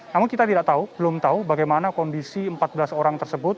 namun kita tidak tahu belum tahu bagaimana kondisi empat belas orang tersebut